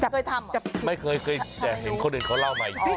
เคยทำเหรอไม่เคยแต่เห็นคนอื่นเขาเล่าใหม่